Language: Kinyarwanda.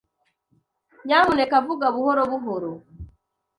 Nyamuneka vuga buhoro buhoro.